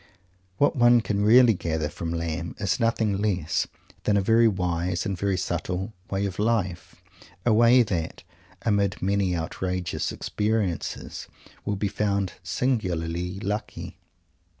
What one can really gather from Lamb is nothing less than a very wise and very subtle "way of life," a way that, amid many outrageous experiences, will be found singularly lucky.